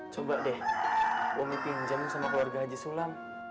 coba deh umi pinjam sama keluarga haji sulam